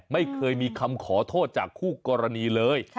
ไม่เคยมีคำขอโทษจากคู่กรณีเลย